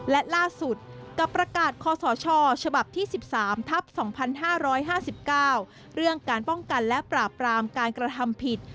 และล่าสุดกับประกาศคอสชฉบับที่๑๓ทัพ๒๕๕๙เรื่องการป้องกันและปราบปรามการกระทำผิด